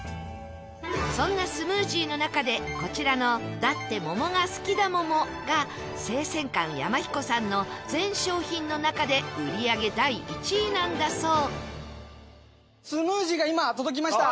そんなスムージーの中でこちらのだって桃が好きだももが生鮮館やまひこさんの全商品の中で売り上げ第１位なんだそう